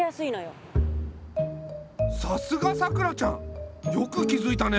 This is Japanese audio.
さすがさくらちゃんよく気づいたね。